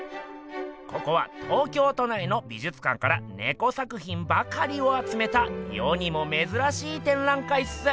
ここは東京都内の美術館からネコ作品ばかりをあつめた世にもめずらしい展覧会っす。